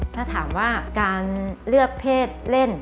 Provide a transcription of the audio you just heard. ถ้าถามว่าการเลือกเพศเล่น